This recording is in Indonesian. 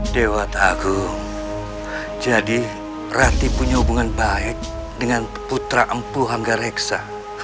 dewa tak agung jadi ratih punya hubungan baik dengan putra empu hanggareksa